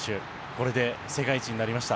これで世界一になりました。